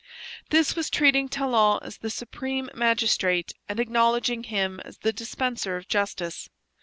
This was treating Talon as the supreme magistrate and acknowledging him as the dispenser of justice.